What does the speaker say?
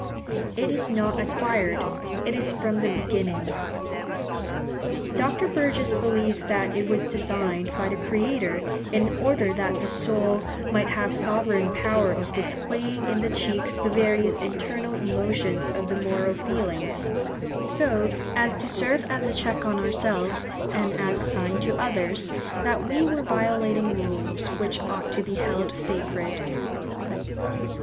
It is not acquired; it is from the beginning." Dr. Burgess believes that it was designed by the Creator in "order that the soul might have sovereign power of displaying in the cheeks the various internal emotions of the moral feelings;" so as to serve as a check on ourselves, and as a sign to others, that we were violating rules which ought to be held sacred.